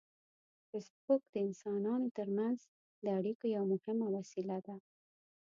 فېسبوک د انسانانو ترمنځ د اړیکو یو مهم وسیله ده